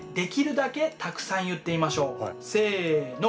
せの。